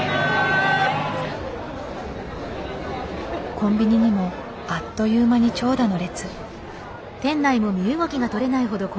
コンビニにもあっという間に長蛇の列。